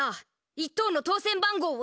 １等の当せん番号は。